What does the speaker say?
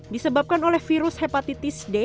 disebabkan oleh virus hepatitis d